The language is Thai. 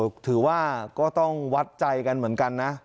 ก็ถือว่าก็ต้องวัดใจกันเหมือนกันนะ